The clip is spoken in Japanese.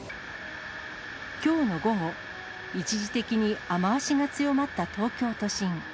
きょうの午後、一時的に雨足が強まった東京都心。